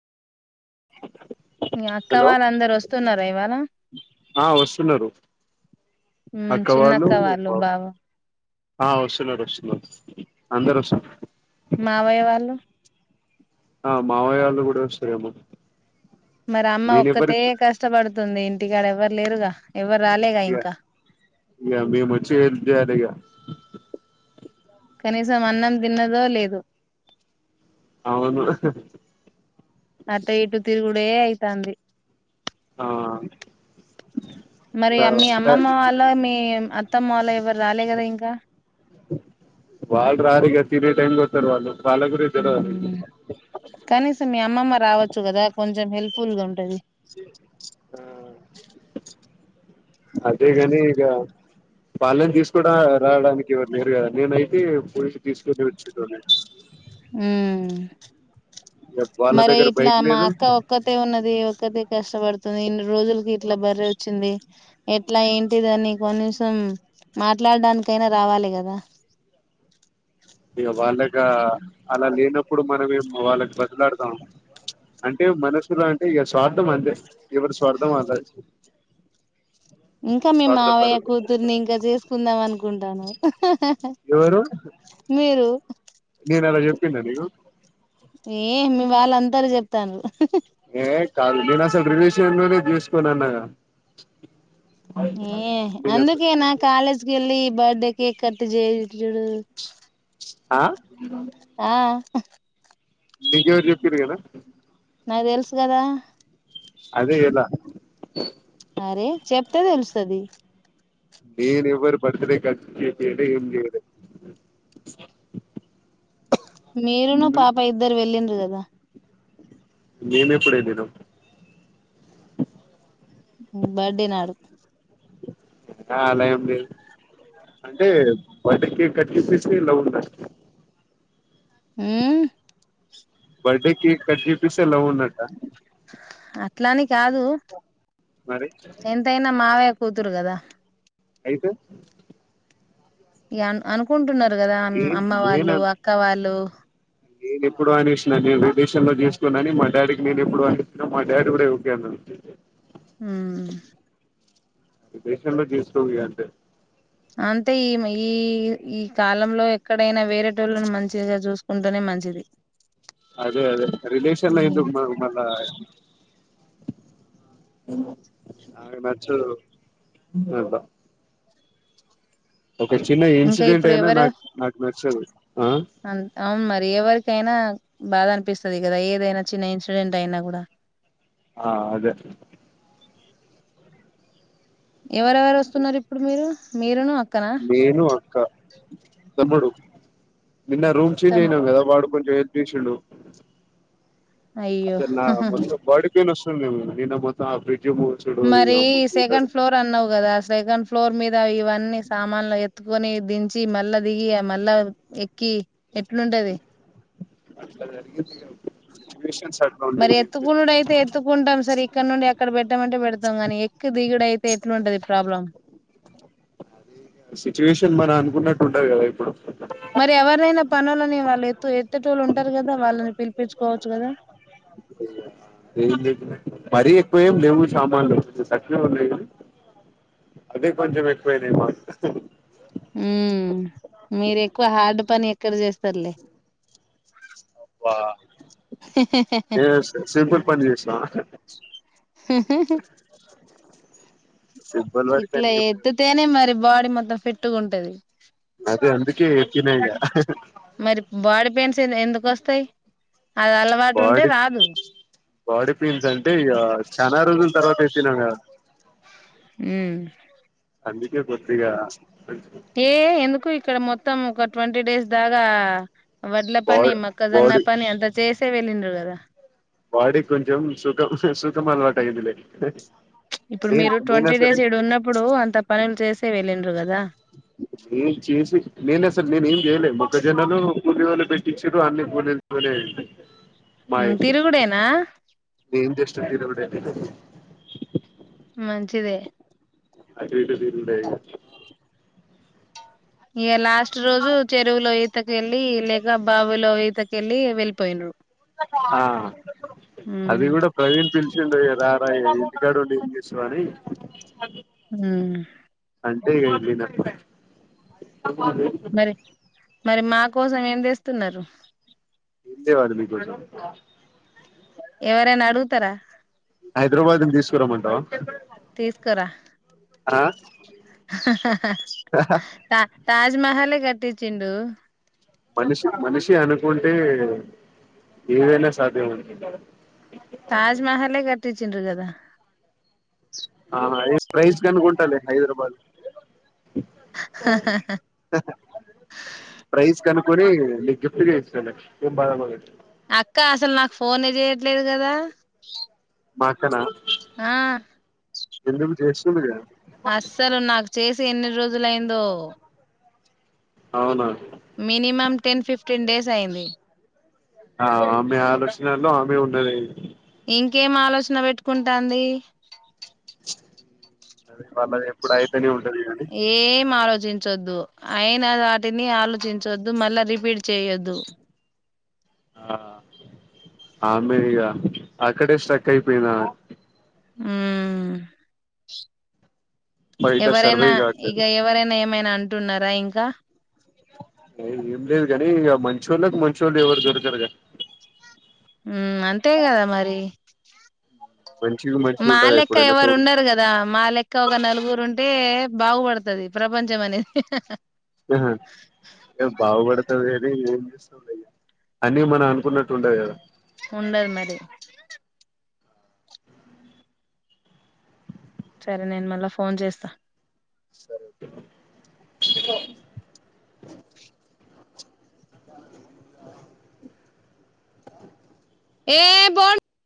[unintelligible] మీ అక్క హలో వాళ్ళు అందరు వస్తున్నారా ఇవాళ ఆ వస్తున్నారు ఉ చిన్నక్క వాళ్ళు బావ ఆ వస్తున్నారు వస్తున్నారు అందరు వస్తున్నారు మావయ్య వాళ్ళు ఆ మావయ్య వాళ్ళు కూడా వస్తురు ఏమో మరి అమ్మ ఒక్కతే కష్టపడుతుంది ఇంటికాడ ఎవరు లేరుగా ఎవ్వరు రాలేగా ఇగ ఇంకా ఇగ మేము వచ్చి ఏం చేయాలి ఇగ కనీసం అన్నం తిన్నదో లేదో అవును అత్త ఇటు తిరుగుడే అయితాంది ఆ మరి అమ్మి అమ్మమ్మ వాళ్ళ మీ అత్తమ్మ వాళ్ళ ఎవరు రాలే కదా ఇంకా వాళ్ళు రారు ఇగ తినే టైమ్కి వస్తారు వాళ్ళు వాళ్ళ గురించి తెలవదు కనీసం మీ అమ్మమ్మ రావచ్చు కదా కొంచెం హెల్ప్గా ఉంటది ఆ అదేగాని ఇగ వాళ్ళని తీసుకోడ రావడానికి ఎవరు లేరు కదా నేనయితే పోయి తీసుకొని వచ్చేటోన్ని ఊ ఇగ వాళ్ళ మరి దగ్గర ఇట్లా బైక్ మా లేదు అక్క ఒక్కతే ఉన్నది ఒక్కతే కష్టపడుతుంది ఇన్ రోజులుకి ఇట్లా బర్రె వచ్చింది ఎట్లా ఏంటిది అని కొనీసం మాట్లాడానికైనా రావాలి కదా ఇగ వాళ్ళగా అలా లేనప్పుడు మనమేం వాళ్ళని బతిమిలాడుతాం అంటే మనసులో అంటే ఇగ స్వార్థం అంతే ఎవరి స్వార్థం వాళ్ళది ఇంకా మీ మావయ్య స్వార్థపరులు కూతుర్ని ఇంకా చేసుకుందాం అనుకుంటాన్నావ్ ఎవరు మీరు నేను అలా చెప్పిన్న నీకు ఏ మీవాళ్ళు అంతరు చెప్తాండ్రు ఏ కాదు నేను అసలు రివ్యూస్ లోనే చూసుకోను అన్నాగ ఏ అందుకే నా కాలేజ్కి వెళ్ళి బర్త్డే కేక్ కట్టి చేయిచ్చుడు ఆ ఆ నీకెవరు చెప్పిరు కదా నాకు తెలుసు కదా అదే ఎలా అరే చెప్తే తెలుస్తాది నేను ఎవరు బర్త్డే కి కట్ చేపియలే ఏమి చెయ్యలే మీరును పాప ఇద్దరు వెళ్ళిండ్రు కదా మేము ఎప్పుడు వెళ్ళినాం బర్త్డేనాడు ఆ అలా ఏం లేదు అంటే బర్త్డే కేక్ కట్ చేసిస్తే లవ్ ఉండాలి మ్ బర్త్డే కేక్ కట్ చేపిస్తే లవ్ ఉన్నట్టా అట్లాని కాదు మరి ఎంతయినా మావయ్య కూతురు కదా అయితే ఇగా అనుకుంటున్నారు కదా నేను అమ్మ వాళ్ళు నేన అక్క వాళ్ళు నేను ఎప్పుడో అనేసినా నేను విదేశంలో చేసుకోనుఅని మా డాడీకి నేను ఎప్పుడో అనేసినా మా డాడీ కూడా ఓకే అన్నాడు హ్ విదేశంలో చేసుకోకూ ఇగ అంతే అంతే ఈమె ఈ ఈ కాలంలో ఎక్కడైనా వేరేటోళ్ళను మంచిగా చూసుకు చూసుకుంటానే మంచిది అదే అదే రిలేషన్ లో ఎందుకు మ మళ్ళా నాకు నచ్చదు అట్లా ఒక చిన్న ఇంకా ఇన్సిడెంట్ అయినా నాకు నాకు నచ్చదు ఆ అంత అవును మరి ఎవరికైనా బాధ అనిపిస్తది కదా ఏదైనా చిన్న ఇన్సిడెంట్ అయినా కూడా ఆ అదే ఎవరెవరు వస్తున్నారు ఇప్పుడు మీరు మీరును అక్క నేను అక్క తమ్ముడు నిన్న రూమ్ చేంజ్ తమ్ అయినాం కదా వాడు కొంచెం హెల్ప్ చేసిండు అయ్యో అసలు నా మొత్తం బాడి నెత్తి నోస్తుంది ఏమో నిన్న మొత్తం అఫ్ డే మరి సెకండ్ ఫ్లోర్ అన్నావు కదా సెకండ్ ఫ్లో ఫ్లోర్ మీద ఇవన్నీ సామాన్లు ఎత్తుకొని దించి మళ్లా దిగి మళ్ళా ఎక్కి ఎట్లుంటది అట్లా జరిగింది ఇగ సిచ్వేషన్ మరి ఎత్తుకునుడు అయితే ఎత్తుకుంటాం సరి ఇక్కడ నుండి అక్కడ పెట్ పెట్టమంటే పెడతాం కానీ ఎక్కి దిగుడు అయితే ఎట్లుంటది ప్రాబ్లం సిచ్యువేషన్ మన అనుకున్నట్టు ఉండదు కదా ఎప్పుడూ పనోళ్ళని వాళ్ళు ఎత్తు ఎత్తేటోళ్లు ఉంటారు కదా వాళ్ళని పిలిపించుకోవచ్చు కదా నేను చెప్పినట్టు మరి ఎక్కువ ఏం లేవు సామాన్లు తక్కువే ఉన్నాయి గానీ అదే కొంచెం ఎక్కువైనాయ్ మాకు హ్ మీరు ఎక్కువ హార్డ్ పని ఎక్కడ చేస్తారులే అబ్బా ఏ సింపుల్ పని చేసినవా ఉ హూ సింపుల్ వర్క్ ఇట్లా అని ఏం లేదు ఎత్తుతేనే మరి బాడీ మొత్తం ఫిట్గా ఉంటది అదే అందుకే ఎత్తిన ఇగ చే ఎందుకు వస్తాయి అది అలవాటు ఉంటే బాడీ రాదు బాడీ పెయిన్స్ అంటే ఇగ చానా రోజుల తర్వాత ఎత్తినాగా హ్ అందుకే కొద్దిగా ఏ ఎందుకు ఇక్కడ మొత్తం ఒక ట్వంటీ డేస్ దాగా వడ్ల బా పని మొక్కజొన్న బాడీ పని అంత చేసే వెళ్ళిండ్రు కదా బాడికి కొంచం సుఖం సుఖము ఆలవాట్యిందిలే ఇప్పుడు మీరు ట్వంటీ డేస్ ఇక్కడ ఉన్నప్పుడు అంత పనులు చేసే వెళ్ళండ్ర కదా నేన్ చేసి నేనే సార్ నేను ఏం చేయలే మ ప్రజన్నను కూలీలే పెట్టి ఇచ్చురూ అన్ని కూలీ కూలీలేతో అయింది ఉ తిరుగుడేనా నేన్ జస్ట్ తిరుగుడే మంచిదే ఆటు ఇటు తిరుగుడే ఇగ ఇగ లాస్ట్ రోజు చెరువులో ఈ ఇతకెళ్ళి లేక బావిలో ఈతకెళ్ళి వెళ్ళిపోయింరు ఆ అది కూడా ప్రవీణ్ పిలుచుండేగ రప్ బ ఇంటికాడ ఉండి ఏంచేస్తావని ఉ అంటే ఎల్లిన మరి మరి మా కోసం ఏం దేస్తున్నారు ఏం తేవాలి మీకోసం ఎవరేనా అడుగుతారా హైదరాబాద్ను తీసుకురమంటావా తీస్కారా ఆ తా తాజ్మహలే కటిచ్చిడు మనిషి మనిషి అనుకుంటే ఏదైనా సాధ్యం ఉ తాజ్మహల్లే కట్చ్చంరూ కదా అ ప్రైస్ కనుకుంటాలే హైదరాబాద్ ప్రైజ్ కను కోని నీకు గిఫ్ట్గ ఇస్తేలె ఏం బాధపడకు అక్క అసలు నాకు ఫోనే చేయట్లేదు కదా మా అక్కన ఆ చేస్తుందిగా అస్సలు నాకు చేసి ఎన్ని రోజులయిందో అవునా మినిమం టెన్ ఫిఫ్టీన్ డేస్ అయింది ఆ ఆమె ఆలోచనలో ఆమె ఉన్నది ఇంకేం ఆలోచన పెట్టుకుంటాంది వాళ్లది ఎప్పుడు అయితేనే ఉంట ఏం ఆలోచించొద్దు అయినా వాటిని ఆలోచించొద్దు మళ్ళా రిపీట్ చేయొద్దు ఆ ఆమె ఇగా అక్కడే స్ట్రక్ అయిపోయినా హ్మ్ బయట సర్వే ఎవరైనా కావట్లేదు ఇక ఎవరైనా ఏమైనా అంటున్నారా ఇంకా అ ఏం లేదు కానీ ఇక మంచోళ్ళకి మంచోళ్ళ ఎవరు దొరకరుగా ఉ అంతే కదా మరి మంచికి మంచిగా మా ఉంటదా లెక్క ఎప్పుడైనా ఎవరు తోడు ఉండరు కదా మా లెక్క ఒక నలుగురు ఉంటే బాగుపడ్తది ప్రపంచం అనేది ఆహా ఏ బాగుపడతాదని అన్ని ఏం చేస్తండ అని మనం అనుకున్నట్టు ఉండది కదా ఉండదు మరి సరే నేను మళ్ళా ఫోన్ చేస్తా సరే ఏ బోల్